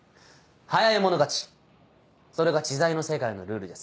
早い者勝ちそれが知財の世界のルールです。